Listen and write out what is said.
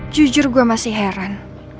jujur gua masih heran